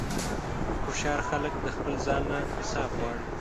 هوښیار خلک د خپل ځان نه حساب غواړي.